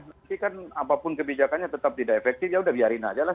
nanti kan apapun kebijakannya tetap tidak efektif ya udah biarin aja lah